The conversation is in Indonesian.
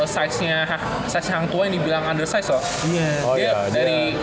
size hang tuah yang dibilang undersized loh